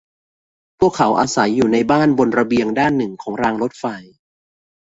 พวกเขาอาศัยอยู่ในบ้านบนระเบียงด้านหนึ่งของรางรถไฟ